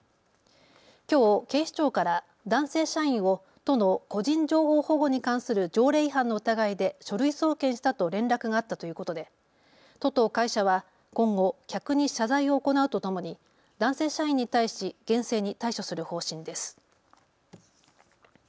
きょう警視庁から男性社員を都の個人情報保護に関する条例違反の疑いで書類送検したと連絡があったということで都と会社は今後、客に謝罪を行うとともに男性社員に対し厳正に対処する方針です。